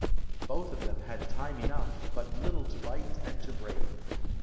Both of them had time enough, but little to bite and to break.